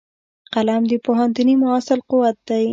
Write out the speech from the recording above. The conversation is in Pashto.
قلم د پوهنتوني محصل قوت دی